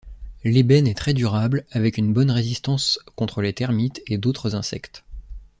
L’ébène est très durable avec une bonne résistance contre les termites et d’autres insectes.